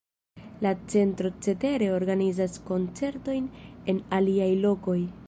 La centro cetere organizas koncertojn en aliaj lokoj.